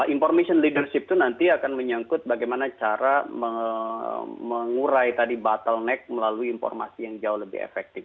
information leadership itu nanti akan menyangkut bagaimana cara mengurai tadi bottleneck melalui informasi yang jauh lebih efektif